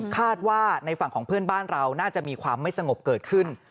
คาดว่าในฝั่งของเพื่อนบ้านเราน่าจะมีความไม่สงบเกิดขึ้น